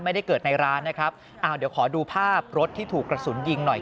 ไม่ได้เกิดในร้านนะครับอ้าวเดี๋ยวขอดูภาพรถที่ถูกกระสุนยิงหน่อย